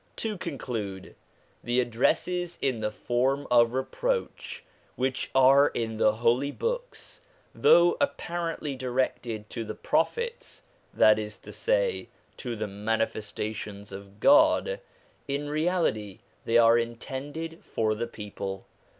To conclude, the addresses in the form of reproach which are in the Holy Books, though apparently directed to the Prophets, that is to say to the Manifes tations of God, in reality are intended for the people.